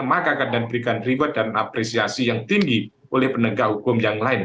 maka akan diberikan reward dan apresiasi yang tinggi oleh penegak hukum yang lain